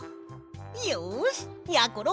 よしやころ